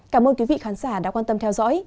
cảm ơn quý vị khán giả đã quan tâm theo dõi